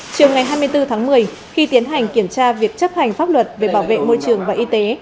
chiều ngày hai mươi bốn tháng một mươi khi tiến hành kiểm tra việc chấp hành pháp luật về bảo vệ môi trường và y tế